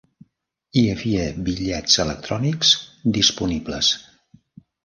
Hi havia bitllets electrònics disponibles.